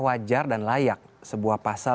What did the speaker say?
wajar dan layak sebuah pasal